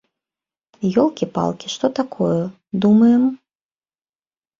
Ёлкі-палкі, што такое, думаем!?